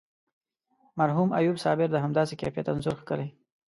مرحوم ایوب صابر د همداسې کیفیت انځور کښلی.